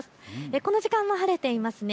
この時間も晴れていますね。